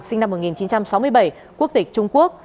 sinh năm một nghìn chín trăm sáu mươi bảy quốc tịch trung quốc